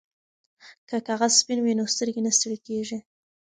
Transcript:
که کاغذ سپین وي نو سترګې نه ستړې کیږي.